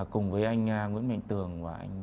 cùng với anh nguyễn mệnh tường và anh